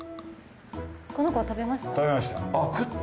この子食べました？